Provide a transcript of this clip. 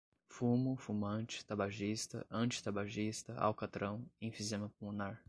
fumo, fumante, tabagista, antitabagista, alcatrão, enfisema pulmonar